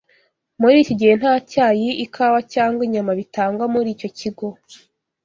Muri iki gihe, nta cyayi, ikawa, cyangwa inyama bitangwa muri icyo kigo.